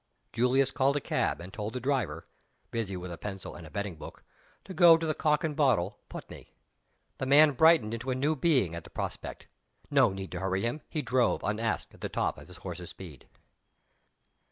Julius called a cab and told the driver (busy with a pencil and a betting book) to go to the Cock and Bottle, Putney. The man brightened into a new being at the prospect. No need to hurry him; he drove, unasked, at the top of his horse's speed.